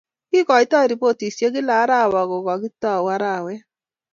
Kikoitoi ripotishiek kila arawa kukataukei arawet